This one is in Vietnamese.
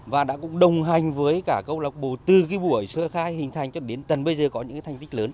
và đã cũng đồng hành với cả câu lạc bộ từ cái buổi sơ khai hình thành cho đến tần bây giờ có những cái thành tích lớn